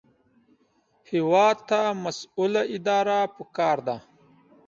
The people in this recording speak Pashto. هېواد ته مسؤله اداره پکار ده